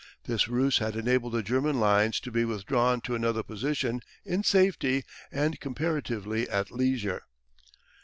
This ruse had enabled the German lines to be withdrawn to another position in safety and comparatively at leisure.